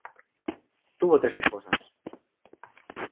Tuvo tres esposas.